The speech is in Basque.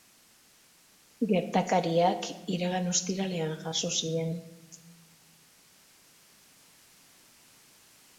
Gertakariak iragan ostiralean jazo ziren.